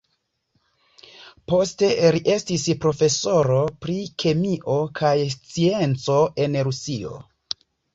Poste li estis profesoro pri kemio kaj scienco en Rusio.